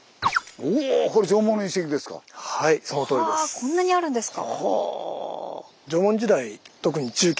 こんなにあるんですか。